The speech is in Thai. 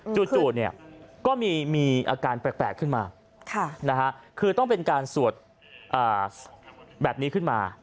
จู่ก็มีอาการแปลกขึ้นมาคือต้องเป็นการสวดแบบนี้ขึ้นมา